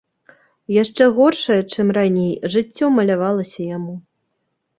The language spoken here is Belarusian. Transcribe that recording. Яшчэ горшае, чым раней, жыццё малявалася яму.